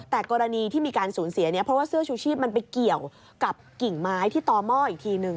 แต่กรณีที่มีการสูญเสียเนี่ยเพราะว่าเสื้อชูชีพมันไปเกี่ยวกับกิ่งไม้ที่ต่อหม้ออีกทีหนึ่ง